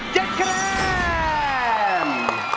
คะแนน